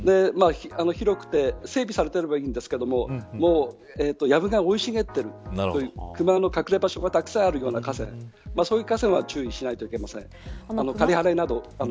広くて整備されていればいいんですけどやぶが生い茂っているクマの隠れ場所がたくさんあるような河川そういう河川は注意しないといけません。